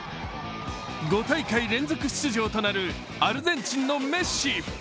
５大会連続出場となるアルゼンチンのメッシ。